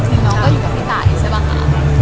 คือน้องก็อยู่กับพี่ตายใช่ป่ะคะ